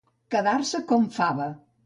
Quedar-se com fava.